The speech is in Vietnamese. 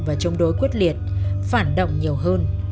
và chống đối quyết liệt phản động nhiều hơn